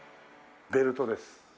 ベルトです。